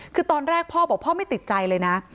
คือตอนแรกพ่อบอกพ่อไม่ติดใจเลยนะ